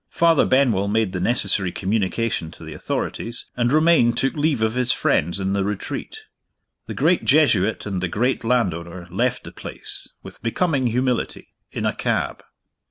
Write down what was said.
Father Benwell made the necessary communication to the authorities, and Romayne took leave of his friends in The Retreat. The great Jesuit and the great landowner left the place, with becoming humility, in a cab.